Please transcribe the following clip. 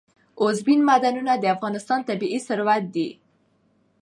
اوبزین معدنونه د افغانستان طبعي ثروت دی.